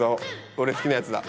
俺好きなやつだ。